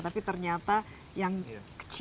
tapi ternyata yang kecil